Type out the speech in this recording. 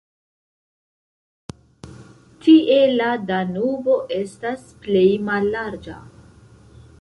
Tie la Danubo estas plej mallarĝa.